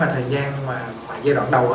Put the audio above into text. thời gian giai đoạn đầu á